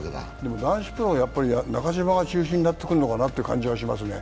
男子プロは中島が中心になってくるのかなという感じがしますね。